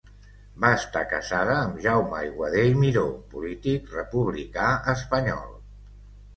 Va estar casada amb Jaume Aiguader i Miró, polític republicà espanyol.